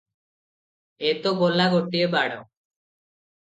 ଏ ତ ଗଲା ଗୋଟିଏ ବାଡ଼ ।